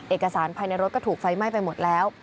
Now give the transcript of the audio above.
เอกสารภายในรถก็ถูกไฟไหม้ไปหมดแล้ว